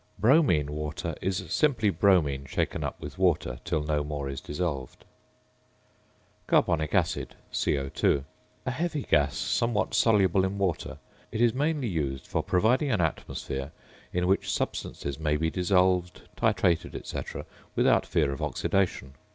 ~"Bromine Water"~ is simply bromine shaken up with water till no more is dissolved. ~Carbonic Acid~, CO_. A heavy gas, somewhat soluble in water; it is mainly used for providing an atmosphere in which substances may be dissolved, titrated, &c., without fear of oxidation.